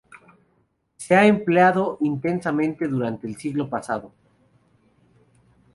Se ha empleado intensamente durante el siglo pasado.